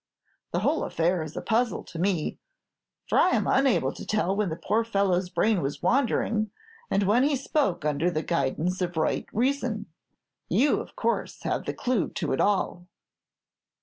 The whole affair is a puzzle to me, for I am unable to tell when the poor fellow's brain was wandering, and when he spoke under the guidance of right reason. You, of course, have the clew to it all."